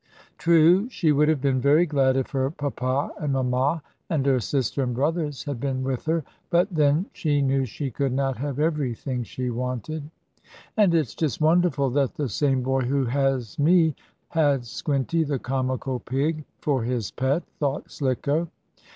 True, she would have been very glad if her papa and mamma and her sister and brothers had been with her, but then she knew she could not have everything she wanted. "And it's just wonderful that the same boy who has me had Squinty, the comical pig, for his pet," thought Slicko.